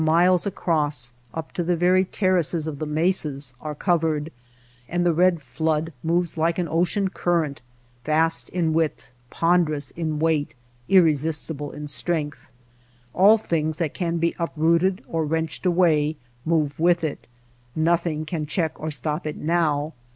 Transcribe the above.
miles across, up to the very terraces of the mesas, are covered ; and the red flood moves like an ocean current, vast in width, ponderous in weight, irresistible in strength. All things that can be uprooted or wrenched away, move with it. Nothing can check or stop it now.